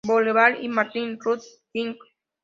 Boulevard y Martin Luther King, Jr.